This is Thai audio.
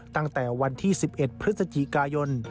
ตั้งแต่วันที่๑๑พฤศจิกายน